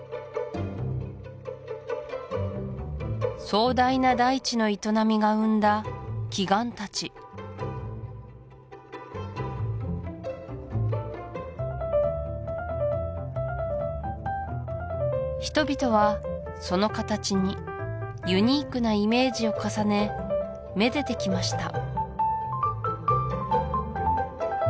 壮大な大地の営みが生んだ奇岩たち人々はその形にユニークなイメージを重ねめでてきました